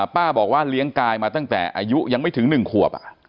ป้าบอกว่าเลี้ยงกายมาตั้งแต่อายุยังไม่ถึง๑ขวบ